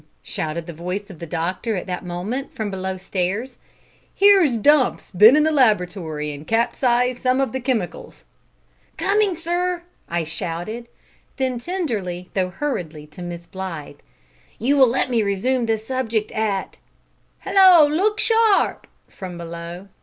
shouted the voice of the doctor at that moment from below stairs. "Here's Dumps been in the laboratory, and capsized some of the chemicals!" "Coming, sir!" I shouted; then tenderly, though hurriedly, to Miss Blythe, "You will let me resume this subject at " "Hallo! look sharp!" from below.